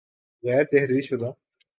غیر تحریر شدہ